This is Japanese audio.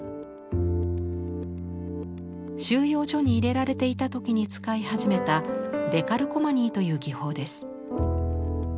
収容所に入れられていた時に使い始めたデカルコマニーという技法です。